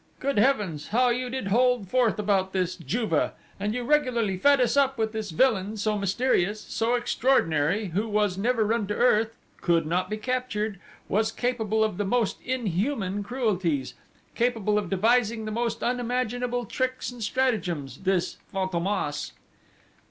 Good Heavens, how you did hold forth about this Juve! And you regularly fed us up with this villain, so mysterious, so extraordinary, who was never run to earth, could not be captured, was capable of the most inhuman cruelties, capable of devising the most unimaginable tricks and stratagems this Fantômas!"